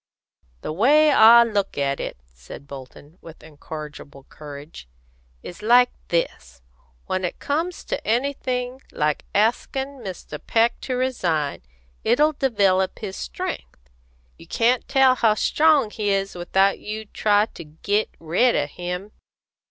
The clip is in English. "The way I look at it," said Bolton, with incorrigible courage, "is like this: When it comes to anything like askin' Mr. Peck to resign, it'll develop his strength. You can't tell how strong he is without you try to git red of him.